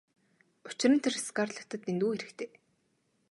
Учир нь тэр Скарлеттад дэндүү хэрэгтэй.